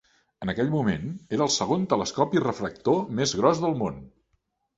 En aquell moment, era el segon telescopi refractor més gros del món.